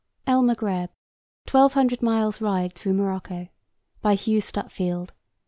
El Magreb: Twelve Hundred Miles' Ride through Morocco. By Hugh Stutfield.